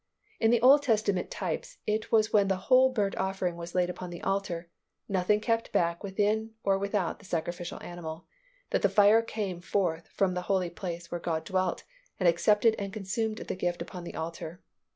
In the Old Testament types it was when the whole burnt offering was laid upon the altar, nothing kept back within or without the sacrificial animal, that the fire came forth from the Holy Place where God dwelt and accepted and consumed the gift upon the altar.